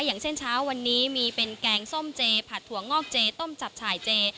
อย่างเช่นเช้าวันนี้มีเป็นแกงส้มเจผัดถั่วงอกเจต้มจับฉ่ายเจ